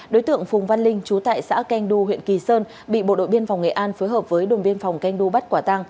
đối tượng phùng văn linh trú tại xã canh đu huyện kỳ sơn bị bộ đội biên phòng nghệ an phối hợp với đồng biên phòng canh đu bắt quả tăng